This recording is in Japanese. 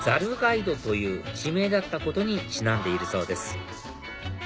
谷戸という地名だったことにちなんでいるそうです